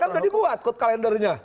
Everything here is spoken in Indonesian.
kan udah dibuat code calendernya